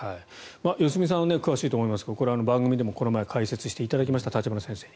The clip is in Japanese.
良純さんが詳しいと思いますがこの間、番組でも解説していただきました立花先生に。